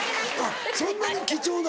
そんなに貴重な？